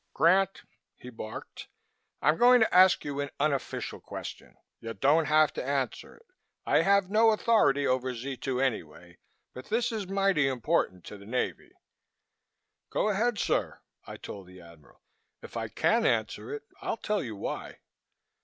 "Grant," he barked, "I'm going to ask you an unofficial question. You don't have to answer it. I have no authority over Z 2 anyway, but this is mighty important to the Navy." "Go ahead, sir!" I told the Admiral, "if I can't answer it I'll tell you why."